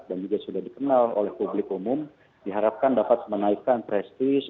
dan juga sudah dikenal oleh publik umum diharapkan dapat menaikkan prestis